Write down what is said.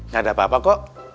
gak ada apa apa kok